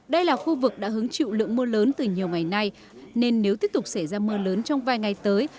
đây là khu vực đã hứng chịu lượng mưa lớn từ nhiều ngày nay nên nếu tiếp tục xảy ra mưa lớn trong vài ngày tới